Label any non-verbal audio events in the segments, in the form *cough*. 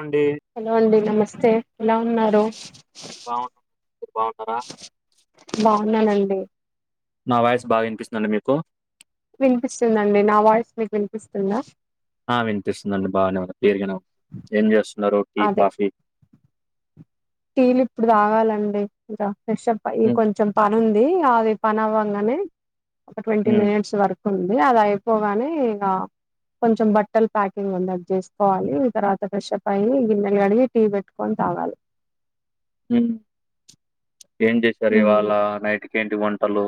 అండి హలో అండి నమస్తే ఎలా ఉన్నారు? బావున్నారా? ఉన్నానండి నా వాయిస్ బాగా వినిపిస్తుందండి మీకు? వినిపిస్తుందండి నా వాయిస్ మీకు వినిపిస్తుందా? ఆ వినిపిస్తుందిండి బాగానే పేరిగిన ఏం చేస్తున్నారు టీ అదే కాఫీ టీలు ఇప్పుడు తాగాలండి ఇంక ఫ్రెషప్ అయ్యి హ్మ్ కొంచెం పనుం ది అది పని అవ్వంగానే ఒక ట్వంటీ హ్మ్ మినిట్స్ వరకు ఉంది అది అయిపోగానే ఇక కొంచెం బట్టలు ప్యాకింగ్ ఉందది చేసుకోవాలి ఈ తర్వాత ప్ర్రెషప్ అయి గిన్నెలు కడిగి టీ పెట్టుకొని తాగాలి మ్ ఏం చేసారు ఇవాళ హ్మ్. నైట్కి ఏంటి వంటలు?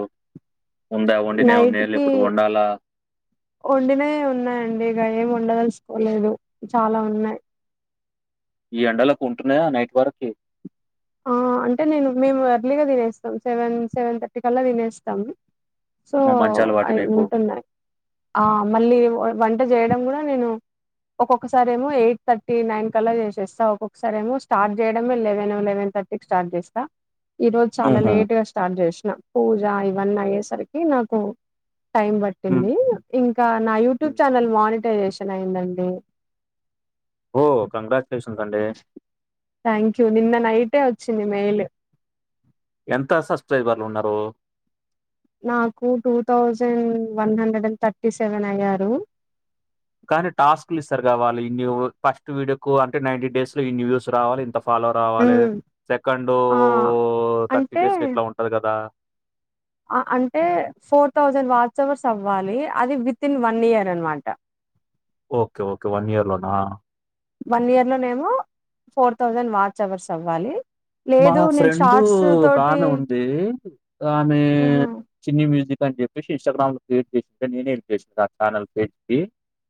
ఉందా వండినే నైట్ ఉన్నాయా కి ఇప్పుడు వండాలా వండినే ఉన్నాయండి ఇక ఏమ ఉండదలుసుకోలేదు చాలా ఉన్నాయి. ఈ ఎండలకుంటున్నాయా నైట్ వరకి ఆ అంటే నేను మేము ఎర్లీగా తినేస్తాం సెవెన్ సెవెన్ థర్టీ కల్లా తినేస్తాం సో మా మంచి అలవాటు అయ్ మీకు ఉంటున్నాయి ఆ మళ్ళీ వంట చేయడం కూడా నేను ఒక్కొక్కసారి ఏమో ఎయిట్ థర్టీ నైన్ కల్లా చేసేస్తా ఒక్కొక్కసారి ఏమో స్టార్ట్ చేయడమే లెవెన్ లెవెన్ థ ర్టీకి స్టార్ట్ చేస్తా ఈ రోజు చాలా ఉహు. లేట్ గా స్టార్ట్ చేస్ పూజ ఇవన్నీ అయ్యేసరికి నాకు టైమ్ ఉమ్, పట్టింది ఇంకా నా యూట్యూబ్ ఉమ్. ఛానల్ మాని టైజెషన్ అయ్యిందండి ఓ కంగ్రాచ్యులేషన్స్ అండి థ్యాంక్ యూ నిన్న నైటే వచ్చింది మెయిల్ ఎంత సబ్స్క్రైబర్లు ఉన్నారు నాకు two thousand one hundred and thirty seven అయ్యారు కానీ టాస్క్ లు ఇస్తారుగా వాళ్ళు ఫస్ట్ వీడియోకూ అంటే నైన్టి డేస్ లో ఇన్ని వ్యూస్ రావాలి ఇంత ఫాలో రావాలె ఉమ్ సెకండూ ఆ థర్టీ అంటే డేస్లో ఇట్లా ఉంటది కదా అంటే ఫోర్ థౌజండ్ వాచ్హౌర్స్ అవ్వాలి అది వితిన్ వన్ ఇయర్ అనమాట ఓకే ఓకే వన్ ఇయర్ లోనా వన్ ఇయర్ లోనేమో ఫోర్ థౌజండ్ వాచ్ అవర్స్ అవ్వాలి మా లేదు నేను ఫ్రెండు షార్ట్స్ ఒక తోటి ఆమె ఉంది ఆమె ఆహా చిన్ని మ్యూజిక్ అని చెప్పేసి ఇన్స్టా గ్రామ్ లో క్రియేట్ చేసింది నేనే హెల్ప్ చేసా ఆఛానల్ పేజ్కి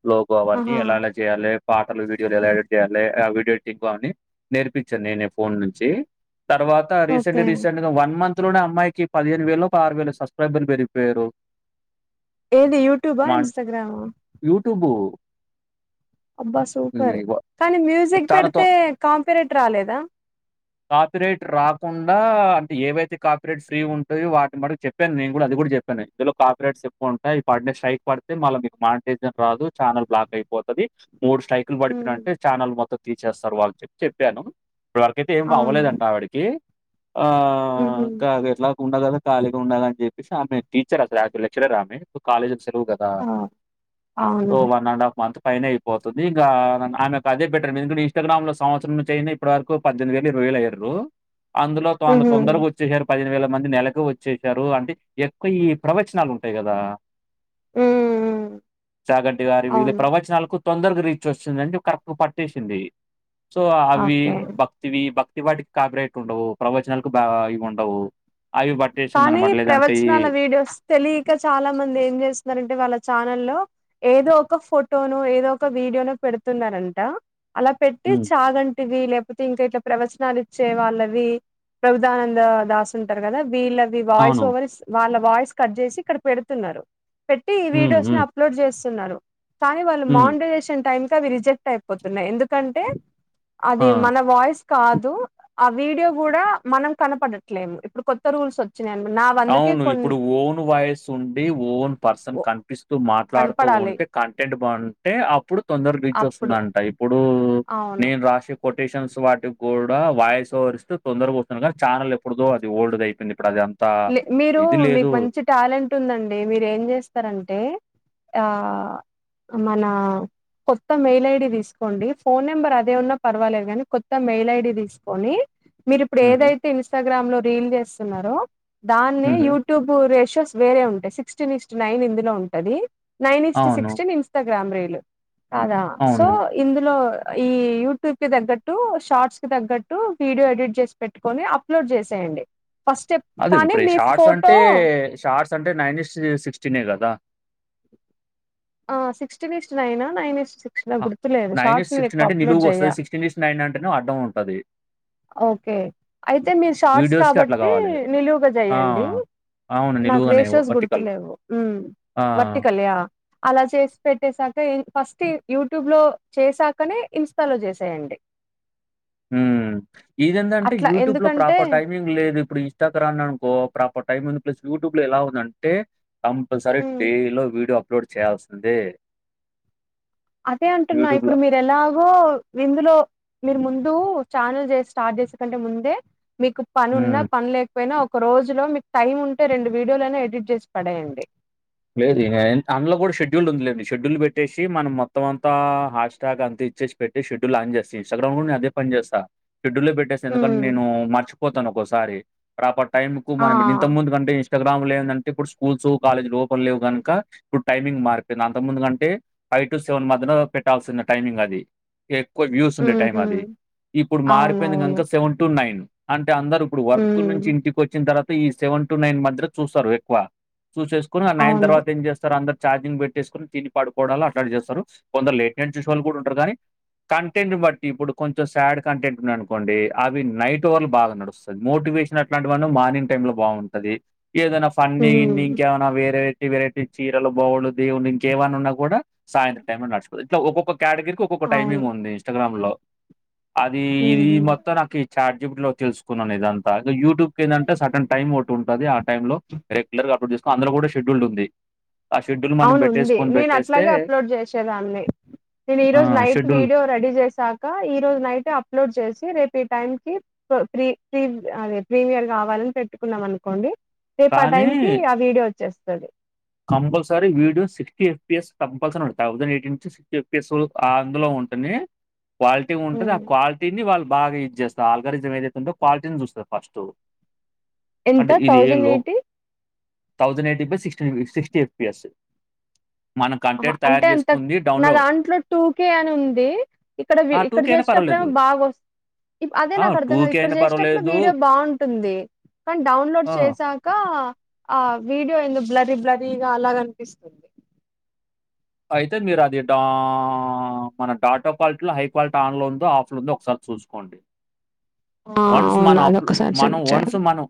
లోగో అవన్నీ ఆహా ఎలాలా చేయాలె పాటలు వీడియోలు ఎలా ఎడిట్ చేయాలె వీడియో ఎడిటింగ్ అని నేర్పించాను నేనే ఫోన్ నుంచి తర్వాత రీసెంట్ ఓకే రీసెంట్ గా వన్ మంత్ త్లోనే అమ్మాయికి పదిహేను వేలో పదహారు వేలో సబ్స్క్రైబర్లు పెరిగిపోయారు ఏది యూట్యూబా మా ఇన్స్టగ్రామా యూట్యూబు అబ్బా సూపర్ ఇవి వ కానీ మ్యూజిక్ చాలా తొ పెడితే కాపిరైట్ రాలేదా కాపిరైట్ రాకుండా అంటే ఏవైతే కాపిరేట్ ఫ్రీ ఉంటాయో వాటిని మటుకు చెప్పాను నేను కూడా అది కూడా చెప్ ప్పని ఇందులో కాపీరైట్స్ ఎక్కువ ఉంటాయి అయి పడిన స్ట్రైక్ పడితే మళ్ల మీకు మాంటేజన్ రాదు ఛానల్ బ్లాక్ అయిపోతది మూడు స్టైక్లు ఉమ్ పడిపినంటే ఛానల్ మొత్తం తీసేస్తారు వాళ్ళు చెప్పి చెప్పాను అవును బవ్వలేదంట ఆవిడికి ఆ ఉహు కాగట్లా ఉండ గదా కాళీగ ఉండాలని చెప్పేసి ఆమె టీచర్ అసలాక్చ్ల్లీ లెక్చరర్ ఆమె సొ కాలేజ్ వు కదా ఆ సొ అవును వన్ అండ్ హఫ్ మంత్ పైనయిపోతుంది ఇంకా ఆమెకు అదే బెటరు ఎందుకంట ఇస్టాగ్రామ్ లో సంవత్సరం నునుంచయినా ఇప్పటి వరకు పద్దెనిమి వే వేలు ఇరవై వెలయిర్రు అందులో తొంద ఉహు తొందరగా వచ్చి హర్ పదిహేను వేల మంది నెలకు వచ్చసారు అంటే ఎక్కువ ఈ ప్రవచనాలు ఉంటయి కదా ఉమ్ చాగంటి గారివి వీళ్ళ అవును ప్రవచనాలకు తొందరగా రీచ్ వచ్చింది అంటే కరెక్ట్గా పట్టేసింది సో అవి ఓకే భక్ ఈ భక్తి వాటికి కాపిరైట్ ఉండవు ప్రవచనాలకు బా ఇవుండవు కానీ ప్రవచనాల వీడియోస్ తెలియక చాలా మంది ఏం చేస్తున్నారంటే వాళ్ళ ఛానల్లో ఏదో ఒక ఫోటోను ఏదో ఒక వీడియోను పెడుతున్నారంట అలా పెట్టి హ్మ్. చాగంటి వీ లే కపోతే ఇంకా ఇట్లా ప్రవచనాలు ఇచ్చే వాళ్ళవి ప్రభుదానంద దాస్ ఉంటారు కదా వీళ్ళ అది వాయిస్ అవును. ఓవర్ ఇస్ వాళ్ళ వాయిస్ కట్ చేసి ఇక్కడ పెడుతున్నారు పెట్టి ఈ హ్మ్. వీడియోస్ ని హ్మ్. అప్లోడ్ చేస్ తున్నారు కానీ వాళ్ళు హ్మ్. మానిటైజేషన్ టైమ్కవి రిజెక్ట్ అయిపోతున్నాయి ఎందుక్ కంటే అది ఆ! మన వాయిస్ కాదు ఆ వీడియో కూడా మనం కనపడట్లేము ఇప్పుడు కొత్త రూల్స్ వ అవును ఇప్పుడు ఓన్ వాయిస్ ఉండి ఓన్ పర్సన్ ఓ కనిపిస్తూ మాట్లాడుతూ కనపడాలి ఉంటే కంటెంట్ బాగుంటే అప్పుడు తొందర గుంచి అప్పుడు వస్తుందంట ఇప్పుడు అవును నేను రాసి కొ ేషన్స్ వాటి కూడా వాయిస్ ఓరిస్త తొందరగా వస్తున్నాగా ఛానల్ ఎప్పుడుదో అది ఓల్డ్ది అయిపోయింది ఇప్పుడు అది అం లే మీరు మీకు మంచి టాలెంట్ ఉందండి మీరు ఏం చేస్తారంటే ఆ మన కొత్త మెయిల్ ఐడి తీసుకోండి ఫోన్ నెంబర్ అదే ఉన్నా పర్వాలేదు కని కొత్త మెయిల్ ఐడి తీసుకోని మీరు ఇప్పుడు హుహు. ఏదైతే ఇన్స్టాగ్రామ్ లో రీల్ చేస్తున్నారో దాన్నే హుహు. యూట్యూబ్ రేషియోస్ వేరే ఉంటాయి సిక్స్టీన్ ఇస్ట్ నైన్ ఇందులో ఉంటది నైన్స్ అవును. సిక్స్టీన్ ఇన్స్టాగ్రామ్ రీలు కాదా సో అవును. ఇందులో ఈ యూట్యూబ్ కి తగ్గట్టు షార్ట్స్ కి తగ్గట్టు వీడియో ఎడిట్ చేసి పెట్టుకొని అప్లోడ్ చేసేయండి ఫస్ట్ స్టెప్ అది కానీ ఇప్పుడు మీ షార్ట్స్ ఫోటో అంటే షార్ట్స్ అంటే నైన్స్ సిక్స్టీనే కదా ఆ సిక్స్టీన్ ఇస్ట్ నైనా నైన్ ఇస్ నో ఆ! గుర్తులేదు షార్ట్స్ నిను ఎక్కువ అంటే అప్లోడ్ నిలువుగా చెయ వస్తది. అంటేనేమో అడ్డం ఉంటది. ఓకే అయితే మీరు షార్ట్స్ వీడియోస్‌కి అట్లా కాబట్టి గావాలి. నిలువుగా ఆ! చేయండి అవును. నాకు నిలువుగానే రేషోస్ వర్టికల్. గుర్తులేవు మ్ ఆ! వర్ట్టి కళ్ళి ఆ అలా చేసి పెట్టేసాకే ఫస్ట్ యూట్యూబ్ లో చేసాకనే ఇన్స్టాలో చేసేయండి మ్ ఇది ఎంటంటే అట్లా యూట్యూబ్ లో ఎందుకంటే ప్రాపర్ టైమింగ్ లేదు ఇప్పుడు ఇన్స్టాగ్రామ్ అనుకో ప్రాపర్ టైం ఉంది ప్లస్ యూట్యూబ్ లో ఎలా ఉంది అంటే కంపల్సరీ హ్మ్. డై లో వీడియో అప్లోడ్ చేయాల్సిందే అదే అంటున్నా యూట్యూబ్‌లో. ఇప్పుడు మీరు ఎలాగో ఇందులో మీరు ముం ఛానల్ స్టార్ట్ చేసుకుంటే ముందే మీకు పని ఉన్న హ్మ్. పనిలే పోయినా ఒక రోజు లో మీకు టైమ్ ఉంటే రెండు వీడియోలు అయినా ఎడిట్ చేసి పడేయండి లేదు అందులో కూడా షెడ్యూల్ ఉందండి షెడ్యూల్ పెట్టేసి మనం మొత్తమంతా హాష్ ట్రక్ అంత ఇచ్చేసి పెట్టేసి షడ్యూల్ అన్ చెస్ ఇంస్టాగ్రామ్ లో కుడా నీను అదే అని చేస్త షెడ్యూల్ లో పెట్టేస్తే ఎందుకంటే హ్మ్ నేను మర్చిపోతాను ఒకసారి ప్రాపర్ టైమ్ కు ఆ మనం ఇంత ముందు కంటే ఇస్ాగ్రా లో లేదంటే ఇప్పుడు స్కూల్స్ కాలేజ్ లో లేవు గనుక ఇప్పుడు టైమింగ్ మారిపోయింది అంత ముందు కంటే ఫైవ్ టు సెవెన్ మధ్యన పెట్టాల్సింది టైమింగ్ అది ఎక్కువ వ్యూస్ ఉండే టైం ఉహు అది ఇప్పుడు మారిపోయింది అవునవును కనుక సెవెన్ టు నైన్ అం అందరు ఇప్పుడే వర్క్ నుంచి హ్మ్ ఇంటికి వచ్చిన తర్వాత ఈ సెవెన్ టు నైన్ మధ్య చూస్తారు ఎక్కువ చూసెస్ కొని ఆ నైన్ అవును తర్వాత ఏం చేస్తారు అందరు ఛార్జింగ్ పెట్టేసుకుొని తిని పడుకోవడాాల అట్లా చేస్తారు కొందరు లేట్ెంట్షోలు కూడా ఉంటారు కానీ కంటెంట్ ని బట్టి ఇప్పుడు కొంచెం శాడ్ కంటెంట్ ఉన్నా అనుకోండి అవి నైట్ఓర్లు బాగా నడుస్తుంది మోటి అ మార్నింగ్ టై లో బాగుంటది ఏదైనా ఫన్ని గిన్ని హ్మ్ ఇంకేమ వెరైటీ వెరైటీ చీరలు బోవులు దేవుడు ఇంకేమన్నా ఉన్నా కూడా సాయంత్రం టైం లో నుకో ఇట్లా ఒక్కొక్క కేటగిరకి ఒక్కొక్క టైమింగ్ అవును ఉంది ఇస్టాగ్రామ్ లో అది ఇది హ్మ్ మొత్తం నాకు ఈ చాట్ జిపి టి లో తెలుసుకున్నాను ఇదంతా యూట్యూబ్ ఏంటంటే సటన్ టైం ఒకటి ఉంటది ఆ టైం లో రెగ్యులర్ గా అప్పుడు తీసుకోని అందులో కూడా షెడ్యూల్డ్ ఉంది ఆ షెడ్యూల్ మనం అవునుంది పెట్టేసుకొని నేను పెట్టేస్తే అట్లాగే అప్లోడ్ చేసేదాన్ని నేను ఈ ఆ! రోజు నైట్ షెడ్యూల్ వీడియో రెడీ చేస్ సక ఈ రోజు నైటే అప్లోడ్ చేసి రేపు టైమ్ కి ప్ర ప్రీ అదే ప్రీమియర్ కావాలని పెట్టుకున్నాం అనుకోండి రేపు ఆ కానీ టైం కి ఆ వీడియో వచ్చేస్తది compulsory video sixty FS compulsory thousand ఎయిన్ నుంచి సిక్స్ ఎఫ్ పి ఎస్ అందులో ఉం ఉంటుంది క్వాలిటీ ఉంటుంది ఆ క్వాలిటీని వాళ్ బాగా యూజ్ చేస్తారు ఆల్గరిజం ఏదైతే ఉంటో క్వాలిటీని చూస్తారు ఫస్ట్ ఎంత thousand eighty thousand eighty plus six MP S అంటే అంత చేసుకుంది నా డౌన్‌లో దాంట్లో టూకే అని ఉంది ఇక్కడ వ్ ఆ! ఇక్కడ కే అయినా చేస్తె అప్పుడేమో పర్వాలేదు. బాగా వస్తు అదే ఆ! నాకు అర్థం కాదు ఇక్కడ అయినా చేసేటప్పుడు పర్వాలేదు. వీడియో బాగుంటుంది కానీ డౌన్లోడ్ ఆ! చేసాక ఆ వీడియో ఎందు బ్లరిబ్లరిగ అలాగనిపిస్తుంది అయితే మీరు అది డా మన డాటా క్వాలిటీలో హై క్వాలిటీ ఆన్ లో ఉందో ఆఫ్ లో ఉందో ఒకసారి చూసుకోండి ఆ వన్స్ అవును మన అప్పు అదొక్కసారి మన చెక్ వన్స్ చేయాలి మన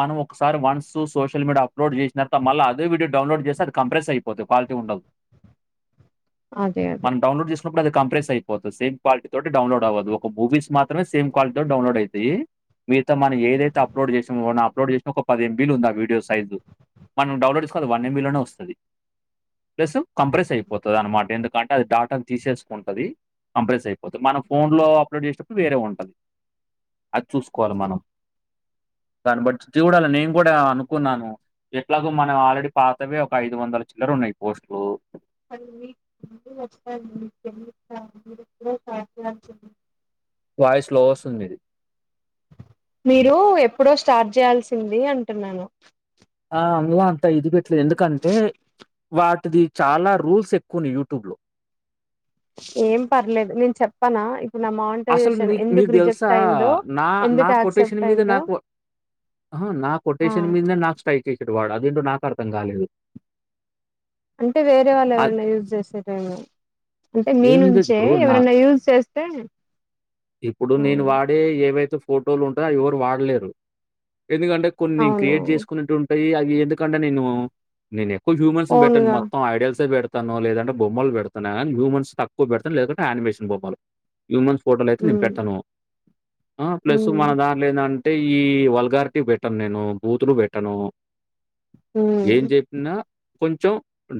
మనం ఒకసారి వన్స్ సోషల్ మీడియా అప్లోడ్ చేసిన తవా మళ్ళీ అదే వీడియోస్ డౌన్లోడ్ చేస్తె అది కంప్రెస్ అపోంది క్వాలిటీ ఉండదు అదే అదే ప్పు అది కంప్రెస్ అయిపోతు సేమ్ క్వాలిటితోడౌన్లోడ్ అవద్దు ఒక మూవీస్ మాత్రమే సేమ్ కాలిటీతో డౌన్లోడ్ అయి తది మీగత మనం ఏదైతే ఉహు అప్లోడ్ చేసామొ డ్ చే ఒక పది ఎంబీలు ఉంది ఆ వీడియో సైజు మనం డౌన్లోడ్ చేసుకో వన్ ఎంబీలోనే వస్తది ప్లస్ కంప్రెస్ అయిపోతదన్నమాట ఎందుకంటే అది డాటాను తీసేసుకుంటది కంప్రెస్ అయిపోతది మనం ఫోన్ లో అప్లోడ్ చేసేటప్పుడు వేరే ఉంటది అది చూసుకోవాలి మనం దాన్ని బట్టి చూడాలి నేను కూడా అనుకున్నాను ఎట్లాగో మనవి ఆల్రెడీ పాతవే ఒక ఐదు వందల చిల్లరున్నాయి పోస్ట్లు *unintelligible* వాయిస్ లో వస్తుంది మీది మీరు ఎప్పుడో స్టార్ట్ చేయాల్సింది అంటున్నాను ఆ అందులో అంతా ఇది పెట్టలేదు ఎందుకంటే వాటి ది చాలా రూల్స్ ఎక్కువని యూట్యూబ్ లో ఏం పర్లేదు నేను చెప్పనా ఇప్పుడు నా అసలు మానిటైజేషన్ ని ఎందుకు మీకు తెలుసా రిజెక్ట్ అయిందో నా నా ఎందుకు కొటేషన్ యాక్సెప్ట్ మీద అయిందో నాకు ఆహా నా ఆ కొటేషన్ మీదనే నాకు స్ట్రైక్ ఏసిండు వాడు అదేంటో నాకు అర్థం కాలేదు అంటే వేరే వాళ్ళు అద్ ఎవరైనా యూజ్ చేసిర్రేమొ అంటే మీ ఏం లేదు నుంచే ఇప్పుడు నా ఎవరైనా యూజ్ చేస్తే ఇప్పుడు నేను ఉమ్, వాడే ఏవైతే ఫోటోలు ఉంటాయో అవి ఎవరు వాడలేరు ఎందుకంటే కొన్ని అవును క్రియేట్ చేసుకునేట్టు ఉంటాయి అవి ఎందుకంటే నేను నేను ఏక్ కొ హ్యమన్స్ బెట్టన్ ఓన్గా మొత్తం ఆడియల్స్ బెట్ ను లేదంటే బొమ్మలు పెడుతను కానీ హ్యూమన్స్ తక్కువ పెడుతను లేదంటే అనిమేషన్ బొమ్మలు హ్యూమన్స్ ఫోటోలు అయితే నీను ఉమ్ పెట్టాను ప్లస్ మన ఉమ్ దాంట్లి ఎందం టే ఈ వల్గార్టీ పెట్టాను నేను బూతులు పెట్టాను ఏం ఉమ్ చెప్పిన కొంచెం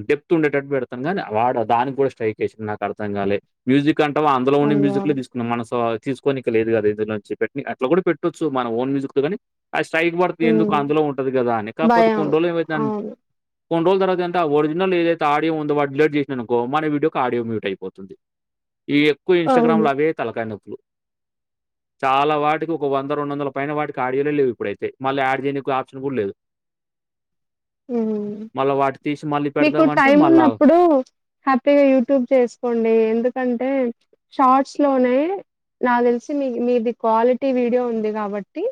డెప్త్ ఉండేటట్టు పెడతాను కానీ వాడు దానికి కూడా స్ట్రైక్ ఏసిండు నాకు అర్థం కాలేదు మ్యూజిక్ కంటవ అందులో ఉన్న అయ్యో మ్యూజిక్ మన సో తీసుకొనికి లేదు కదా ఇందులో నుంచి పెట్టి అట్లా కూడా పెట్టొచ్చు మన ఓన్ మ్యూజిక్ తో కాని ఆది స్ట్రైక్ పడుతుంది ఎందుకు ఉమ్ అందులో ఉంటది కదా అని కాకపోతే భయం కొండ్రోల్ ఏమయిదం అవును కొన్ని రోజుల తర్వాత ఎంటే ఆ ఒరిజినల్ ఏదైతే ఆడియో ఉందొ వాడు డిలీట్ చేసిండు అనుకో మన వీడియోకి ఆడియో మ్యూట్ అయిపోతది ఈ ఎక్కువ ఇన్స్టాగ్రామ్ అవును లో అవే తలకాయ్ నొప్పులు చాలా వాటికి ఒక వంద రెండు వందల పైన వాటికి ఆడియోలే లేవు ఇప్పుడైతే మళ్ళ యాడ్ చేయనికి ఆప్షన్ కూడా లేదు మ్ మళ్ళా వాటిని తీసి మళ్ళీ మీకు పెడదామంటే టైం మళ్ళా ఉన్నప్పుడు హ్యాపీగా యూట్యూబ్ చేసుకోండి ఎందుకంటే షార్ట్స్ లోనే నాక్ తెలిసి మీ మీది క్వాలిటీ వీడియో ఉంది కాబట్టి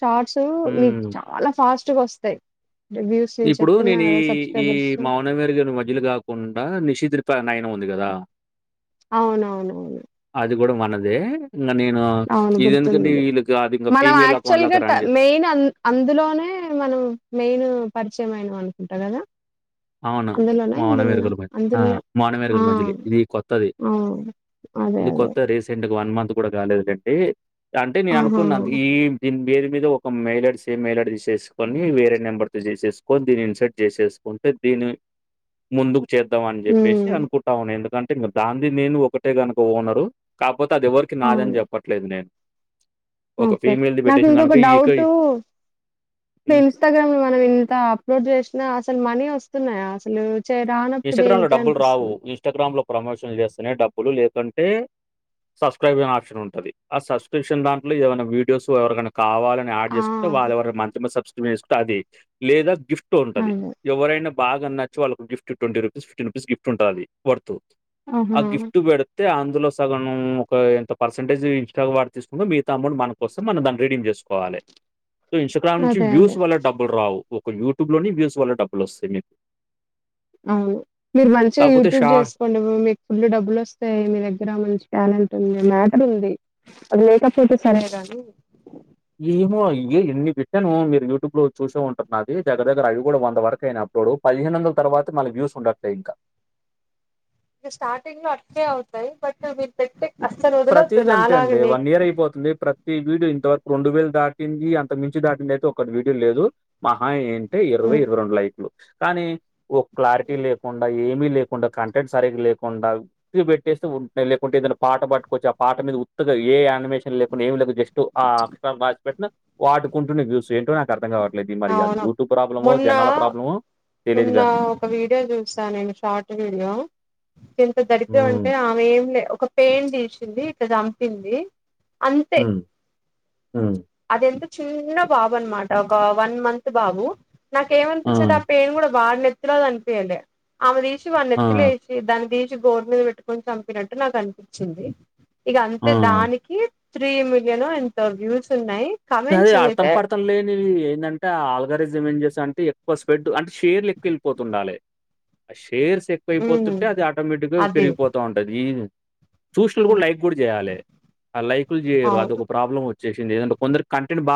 షార్ట్స్ మీకు హ్మ్. చాలా ఫాస్ట్గా వస్తాయి వ్యూస్ ఇప్పుడు చెప్తున్నా నేను ఈ కదా ఈ సబ్స్క్రైబర్స్ మౌనమేరుగని మజిలీ కాకుండా నిషిద్ నైన్ ఉంది కదా అవునవునవును కూడా మనదే ఇంగ నేను అవును గుర్తు ఇదెందుకంటే ఉంది వీళ్ళకి అది ఇంక మనం ఫీమేల్ యాక్చువల్గా అకౌంట్‌లాగా రన్ జేస్ మెయిన్ అం అందులోనే మనం మెయిన్ పరిచయం అయినం అనుకుంటా కదా అవును అందులోనా మౌన ఇందులోనా మేరుగని వ మ ఆ అందులోనే మౌన ఆ వెరుగని మజిలీ ఇది కొత్తది అవును అదే ఇది అదే కొత్తది రీసెంట్గా వన్ మంత్ కూడా కాలేదుండి అంటే నేను ఆహా అనుకున్నాను ఈీ పెరు మీద ఒక మెయిలడ్ సేమ్ మెయిల్డ్ తీసేసుకొని వేరే నెంబర్ ది తీసేసుకొని దీన్ని ఇన్సర్ట్ చేసేసుకుంటే దీని ముందుకు చేద్దాం అని చెప్పేసి ఉమ్ అనుకుంటా ఉను ఎందుకం దంది నేను ఒకటే గనుక ఓనరు కాకపోతే అది ఎవరికి అవును నాదని చెప్పట్లేదు నేను ఒక ఓకే ఫీమేల్‌ది నాకు పెట్టేసాం గనుక ఇంకొక ఇక డౌట్ ఇ హ్మ్. ఇన్స్టాగ్రామ్ లో మనం ఇంత అప్లోడ్ చేసినా అసలు మనీ వస్తున్నాయా అసలు చే రానప్పుడు ఇన్స్టా్రామ్ లో దేనికి డబ్బులు రావు అనిపిస్తుంది. ఇన్స్టాగ్రామ్ లో ప్రమోషన్లు చేస్తేనే డబ్బులు లేకుం టే సబ్స్క్రిబ్షన్ ఆప్షన్ అనే ఉంటది ఆ సబ్స్క్రిప్షన్ బ్యాంట్ లో ఏమైనా వీడియోస్ ఎవరికన్న కావాలని యాడ్ ఆ! చేసుకుంటే వాళ్ళ ఎవరన్న మంత్ మ సబ్స్క్రిషన్ చేేసుకుంటే అది లేదా గిఫ్ ఉంటది అదే. ఎవరైనా బాగా నచ్చి వాళ్ళకిి gift twenty rupees fifteen rupees gift ఉంటది ఆ ఆహా! గిఫ్ట్ పెడ్ తే అందులో సగం ఒక ఎంత పర్సంటేజ్ ఇస్ాగా వాడు తీసుకుంటే మిగత అమౌంట్ మనకు వస్తే మనం దాన్ని రీడిమ్ చేస్ సుకోవాలే సో ఇన్స్టాగ్రామ్ నుంచి అదే. అదే. వ్యూస్ వల్ల డబ్బులు రావు ఒక యూట్యూబ్ లోని వ్యూస్ వల్ల డబ్బులు వస్తాయి మీకు అవును మీరు మంచిగా కాకపోతే యూట్యూబ్ షా చేసుకోండి మీకు ఫుళ్ళు డబ్బులు వస్తాయి మీ దగ్గర మంచి టలేం ంది మ్యాటర్ ఉంది అది లేకపోతే సరేకని ఏమో ఇ ఏన్ని పెట్టాను మీరు యూట్యూబ్ లో చూసే ఉంటరు నాది దగ్గర దగ్గర అవి కూడా వంద వరకు అయినా చుడు పదిహేను వందల తర్వాత మన వ్యూస్ ఉండట్లే ఇకా ఇది స్టార్టింగ్ లో అవుతాయి బట్ మీరు పెట్టే అస్సలు వదలొద్దు ప్రతిది అంతే అండి నాలాగనే. వన్ ఇయర్ అయిపోతుంది ప్రతి వీడియో ఇంతవరకు రెండు వేలు దాటింది అంతకు మించి దాటింది అయితే ఒకటి వీడియి లేదు మహా ఏం ే ఇరవై హ్మ్. ఇరవై రెండు లైక్లు కానీ ఓ క్లారిటీ హ్మ్. లేకుండా ఏం లేకుండా కంటెంట్ సరిగ్గా లేకుండా పెట్టేస్తే ఉంటయి లేకుంటే ఏదన్న పాట పట్ చ్చి ఆ పాట మీద ఉత్త్తగా ఏ య ఇన్ఫర్మేషమ్ ఏమీ లేకుండా జస్ట్ ఆ క్ అది పెట్టిన వాడుకుంటునై వివ్స్ ఏంటో నాకు అర్ధం కావట్ ట్లేదు ఇగ మరి అది అవును. యూటుబ్ ప్రబ్లమో మొన్న జనాల ప్రాబ్లమో మొన్న తెలీదుగా. ఒక వీడియో చూస నేను షార్ట్ వీడియో ఎంత దరిద్రం హ్మ్. ఉంటే ఆమె ఏం లే ఒక పెయిన్ తీసింది ఇట్ట చంపింది అంతే హ్మ్. హ్మ్. అదెందుక్ చిన్న బాబు అన్నమాట ఒక వన్ మంత్ బాబు ఆ! నాకేమనిపించిందంటే పెను కుడా వని నేత్తిల కనిపియ్యలేదు ఆమె తీసి వని ఆ! నేత్తిల వేసి దాన్ని తీసి గోర్ మీద పెట్టుకోని చంపినట్టు నాకు అనిపించింది ఇగ అంతే ఆ! దానికి త్రీ మిలియన్ ఎంత వ్యూస్ ఉన్నాయి అది కమెంట్స్ అర్థం అయితే పడతం లేనివి ఏంటంటే ఆలుగారి జమీన్ చేసి అంటే ఎక్కువ స్పెడ్ అంటే షేర్లు ఎక్కువ వెళ్ళిపోతుండాలె టేర్స్ ఉమ్, ఎక్కువైపోతుంటే అది ఆటోమేటిక్ గా అది పెరిగిపోతా ఉంటది. చూసిన కూడా లైక్ కూడా చేయాలె. ఆ లైక్లు చేయరు అది అవును ఒక ప్రాబ్లం వచ్చేసింది కొందరికి కంటెంట్